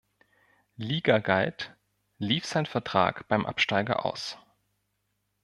Liga galt, lief sein Vertrag beim Absteiger aus.